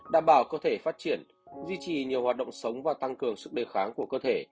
đảm bảo cơ thể phát triển duy trì nhiều hoạt động sống và tăng cường sức đề kháng của cơ thể